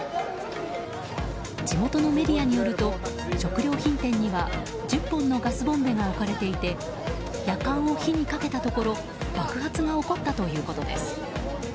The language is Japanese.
地元のメディアによると食料品店には１０本のガスボンベが置かれていてやかんを火にかけたところ爆発が起こったということです。